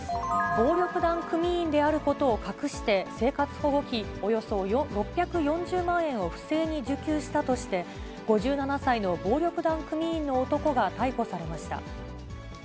暴力団組員であることを隠して、生活保護費およそ６４０万円を不正に受給したとして、５７歳の暴力団組員の男が逮捕されました。